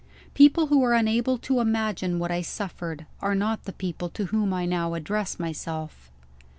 People who are unable to imagine what I suffered, are not the people to whom I now address myself.